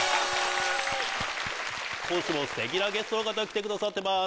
本日もすてきなゲストの方来てくださってます。